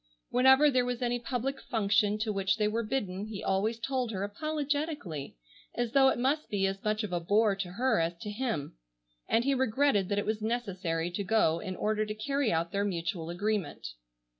Whenever there was any public function to which they were bidden he always told her apologetically, as though it must be as much of a bore to her as to him, and he regretted that it was necessary to go in order to carry out their mutual agreement.